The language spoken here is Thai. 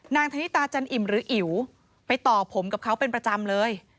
ธนิตาจันอิ่มหรืออิ๋วไปต่อผมกับเขาเป็นประจำเลย